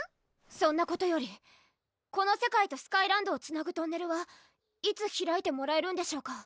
そんなことよりこの世界とスカイランドをつなぐトンネルはいつ開いてもらえるんでしょうか？